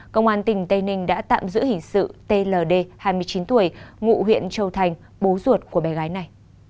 công an tỉnh tây ninh đã tạm giữ hình sự tld hai mươi chín tuổi ngụ huyện châu thành bố ruột của bé gái này